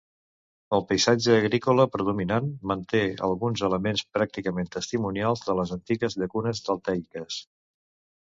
El paisatge agrícola predominant manté alguns elements pràcticament testimonials de les antigues llacunes deltaiques.